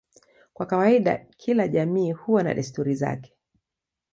Kwa kawaida kila jamii huwa na desturi zake.